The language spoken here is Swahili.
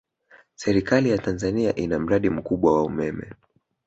Serikali ya Tanzania ina mradi mkubwa wa umeme